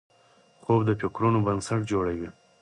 خوب د فکرونو بنسټ جوړوي